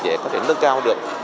để có thể nâng cao được